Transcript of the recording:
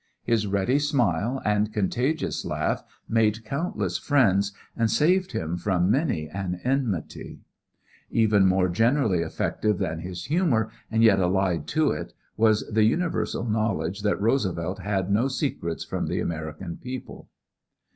His ready smile and contagious laugh made countless friends and saved him from many an enmity. Even more generally effective than his humor, and yet allied to it, was the universal knowledge that Roosevelt had no secrets from the American people.